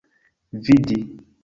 vidi